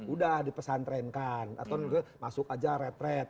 udah dipesantrenkan atau masuk aja retret